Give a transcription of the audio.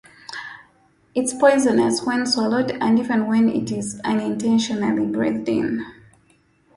It is poisonous when swallowed and even when it is unintentionally breathed in.